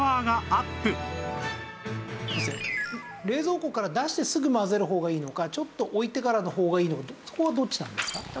冷蔵庫から出してすぐ混ぜる方がいいのかちょっと置いてからの方がいいのかそこはどっちなんですか？